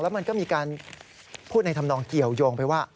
มันก็มีการพูดในธรรมนองเกี่ยวยงไปว่า